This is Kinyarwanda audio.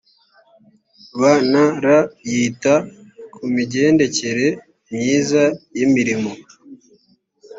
bnr yita ku migendekere myiza y imirimo